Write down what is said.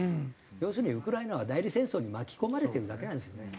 要するにウクライナは代理戦争に巻き込まれてるだけなんですよね。